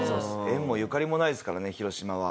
縁もゆかりもないですからね広島は。